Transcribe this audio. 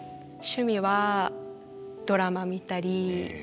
趣味はドラマ見たり。